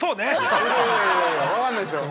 ◆いやいや、いやいや分かんないですよ。